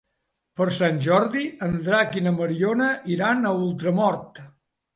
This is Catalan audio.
Per Sant Jordi en Drac i na Mariona iran a Ultramort.